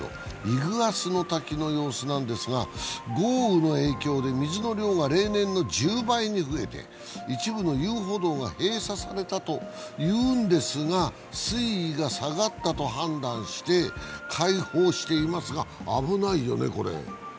イグアスの滝の様子なんですが豪雨の影響で水の量が例年の１０倍に増えて一部の遊歩道が閉鎖されたというんですが水位が下がったと判断して開放していますが、危ないよね、これ。